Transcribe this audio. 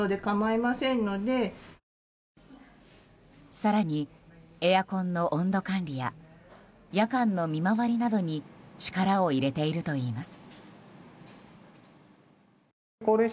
更にエアコンの温度管理や夜間の見回りなどに力を入れているといいます。